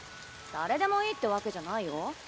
誰でもいいってわけじゃないよ。